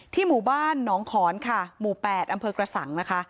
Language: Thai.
หมู่บ้านหนองขอนค่ะหมู่๘อำเภอกระสังนะคะ